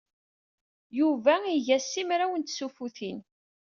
Yuba iga simraw n tsuffutin.